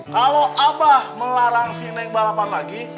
kalau abah melarang si neng balapan lagi